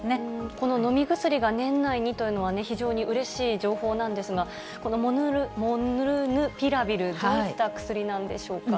この飲み薬が年内にというのは、非常にうれしい情報なんですが、このモルヌピラビル、どういった薬なんでしょうか。